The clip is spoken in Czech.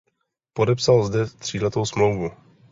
Podepsal zde tříletou smlouvu.